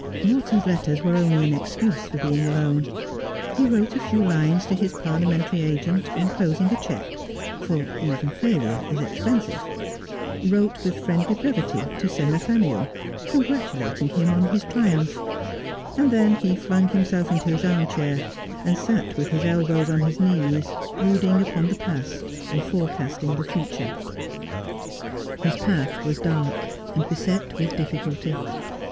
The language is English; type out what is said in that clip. Morton's letters were only an excuse for being alone. He wrote a few lines to his parliamentary agent, enclosing a cheque ■— for even failure is expensive ; wrote with friendly brevity to Sir Nathaniel, congratulating him on his triumph ; and then he flung himself into his arm chair, and sat with his elbows on his knees, brooding upon the past and forecasting the future. His path was dark, and beset with difficulty.